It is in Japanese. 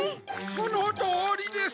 そのとおりです！